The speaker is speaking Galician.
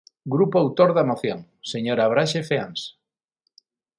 Grupo autor da moción, señora Braxe Freáns.